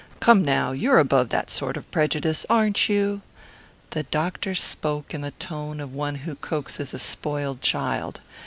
"Come now, you're above that sort of prejudice, aren't you?" The doctor spoke in the tone of one who coaxes a spoiled child.